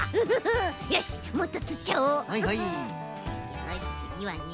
よしつぎはね。